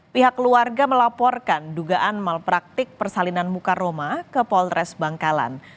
pihak keluarga melaporkan dugaan malpraktik persalinan muka roma ke polres bangkalan